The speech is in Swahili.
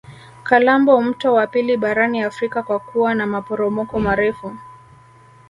kalambo mto wa pili barani afrika kwa kuwa na maporomoko marefu